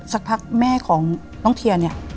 สักพักแม่ของน้องเทียน